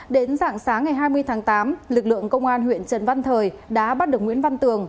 đến dạng sáng ngày hai mươi tháng tám lực lượng công an huyện trần văn thời đã bắt được nguyễn văn tường